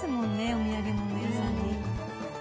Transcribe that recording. お土産物屋さんに。